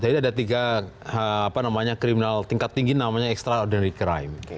jadi ada tiga apa namanya kriminal tingkat tinggi namanya extraordinary crime